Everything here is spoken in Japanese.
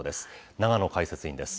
永野解説委員です。